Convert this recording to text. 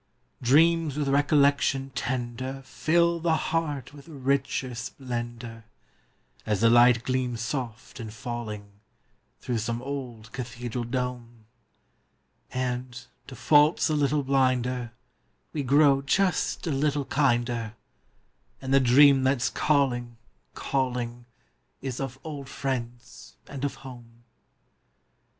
D REAMS \9ith recollection tender Fill the Heart Ntfith richer ' splendor, As the light gleams soft in jullinq Through some ola cathedral dome ; And, to faults a little blinder, ADe gt'oxtf just a little hinder, And the dream that's call inq, calling , old friends and o home.